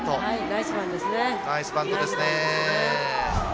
ナイスバントですね。